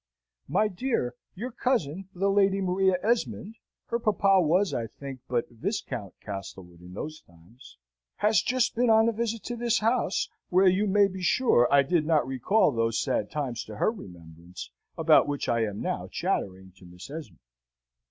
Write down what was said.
My dear, your cousin, the Lady Maria Esmond (her papa was, I think, but Viscount Castlewood in those times), has just been on a visit to this house, where you may be sure I did not recall those sad times to her remembrance, about which I am now chattering to Mrs. Esmond.